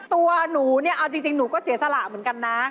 ตัวหนูเนี่ยเอาจริงหนูก็เสียสละเหมือนกันนะ